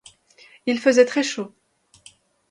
Il faisait très chaud.